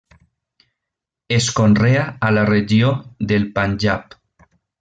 Es conrea a la regió del Panjab.